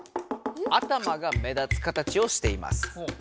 頭が目立つ形をしています。